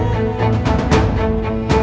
jangan tinggalkan rata